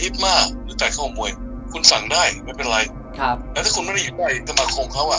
ถ้าคุณไม่ได้ถอมเค้าอ่ะ